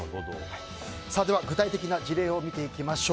具体的な事例を見ていきましょう。